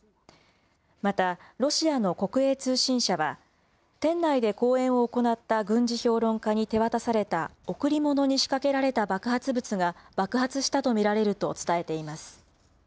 また、ロシアの国営通信社は、店内で講演を行った軍事評論家に手渡された贈り物に仕掛けられた爆発物が爆発したと見られると伝えています。